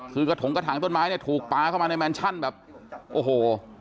คือกระถงกระถางต้นไม้เนี่ยถูกปลาเข้ามาในแมนชั่นแบบโอ้โห